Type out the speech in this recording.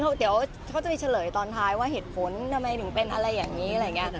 ให้เป็นเฉลยความเหตุผลอะไรอย่างนี้